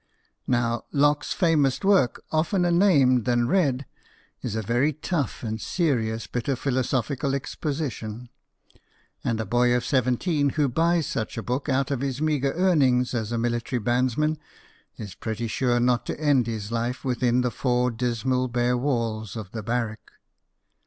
Now, Locke's famous work, oftener named than read, is a very tough and serious bit of philosophical exposition ; and a boy of seventeen who buys such a book out of his meagre earnings as a military bands man is pretty sure not to end his life within the four dismal bare walls of the barrack.